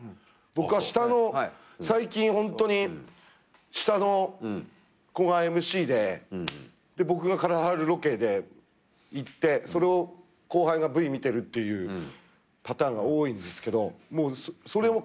僕は下の最近ホントに下の子がＭＣで僕が体張るロケで行ってそれを後輩がＶ見てるっていうパターンが多いんですけどそれも考えないようにしてます。